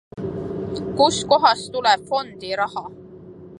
Kust kohast tuleb fondi raha?